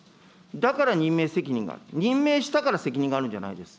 だから任命責任が、任命したから責任があるんじゃないです。